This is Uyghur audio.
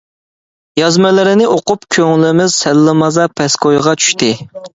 يازمىلىرىنى ئوقۇپ كۆڭلىمىز سەللىمازا پەسكويغا چۈشتى.